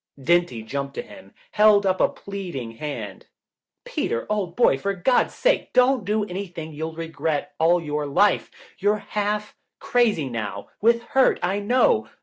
Dinty jumped to him, held up a pleading hand. "Peter, old boy, for God's sake don't do anything you'll regret all your life. You're half crazy now, with hurt, I know.